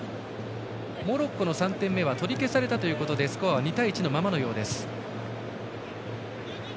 モロッコの３点目は取り消されたということでスコアは２対１のままです。